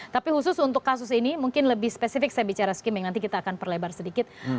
tapi khusus untuk kasus ini mungkin lebih spesifik saya bicara skimming nanti kita akan perlebar sedikit